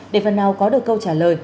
để phần nào có được câu trả lời